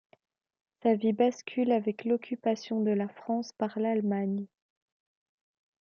Sa vie bascule avec l’Occupation de la France par l'Allemagne.